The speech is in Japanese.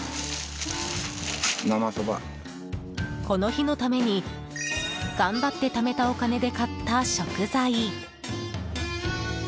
この日のために頑張ってためたお金で買った食材。